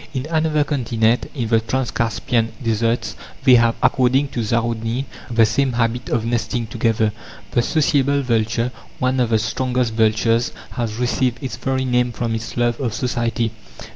In another continent, in the Transcaspian deserts, they have, according to Zarudnyi, the same habit of nesting together. The sociable vulture, one of the strongest vultures, has received its very name from its love of society.